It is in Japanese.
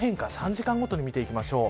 ３時間ごとに見ていきましょう。